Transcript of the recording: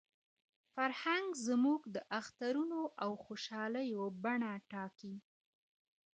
فرهنګ زموږ د اخترونو او خوشالیو بڼه ټاکي.